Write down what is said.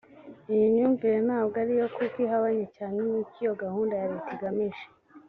Iyi myumvire ntabwo ariyo kuko ihabanye cyane n’icyo iyo gahunda ya leta igamije